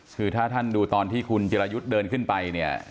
คือถ้าท่านดูตอนที่คุณจิรายุทธ์เดินขึ้นไปเนี่ย